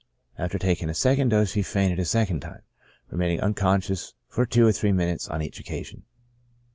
After taking a second dose, she fainted a second time, remaining unconscious for two or three min utes on each occasion.